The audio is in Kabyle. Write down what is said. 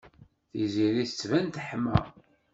Tiziri tettban teḥma.